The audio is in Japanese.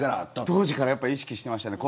当時から意識していましたね。